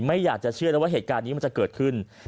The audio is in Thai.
ไม่อยากจะเชื่อแล้วว่าเหตุการณ์นี้มันจะเกิดขึ้น